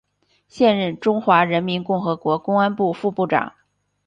现任中华人民共和国公安部副部长。